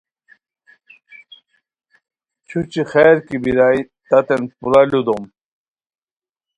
چھوچی خیر کی بیرائے تتین پورا لوُ دوم